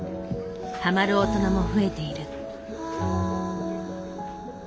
ハマる大人も増えている。